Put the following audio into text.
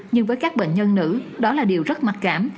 nhưng với các bệnh nhân nữ đó là điều rất mặc cảm